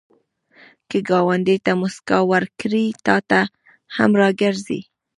که ګاونډي ته مسکا ورکړې، تا ته هم راګرځي